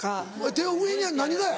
手を上に何がや？